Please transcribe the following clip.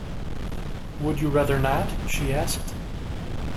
“Would you rather not?” she asked.